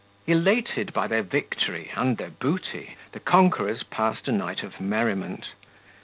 38 Elated by their victory and their booty, the conquerors passed a night of merriment.